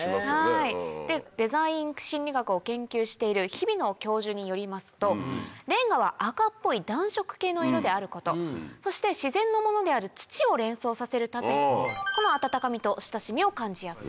デザイン心理学を研究している日比野教授によりますとれんがは赤っぽい暖色系の色であることそして自然のものである土を連想させるためこの温かみと親しみを感じやすい。